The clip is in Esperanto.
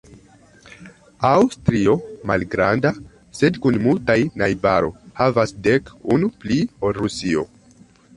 Aŭstrio, malgranda, sed kun multaj najbaroj, havas dek, unu pli ol Rusio.